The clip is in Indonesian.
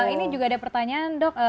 ini juga ada pertanyaan dok